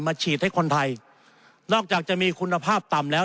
ฉีดให้คนไทยนอกจากจะมีคุณภาพต่ำแล้ว